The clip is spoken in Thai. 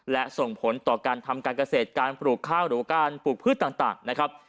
และส่งผลต่อการทำการเกษตรการปลูกข้าวหรือการปลูกพืชต่างนะครับ